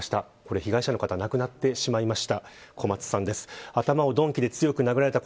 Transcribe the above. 被害者の方亡くなってしまいました。